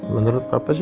iyaa menurut kapa sih